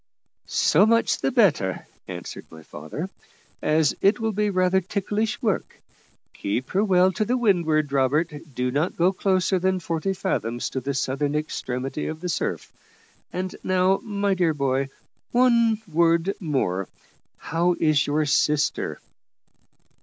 "So much the better," answered my father, "as it will be rather ticklish work. Keep her well to windward, Robert; do not go closer than forty fathoms to the southern extremity of the surf. And now, my dear boy, one word more. How is your sister?"